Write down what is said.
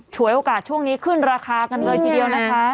ฉวยโอกาสช่วงนี้ขึ้นราคากันเลยทีเดียวนะคะ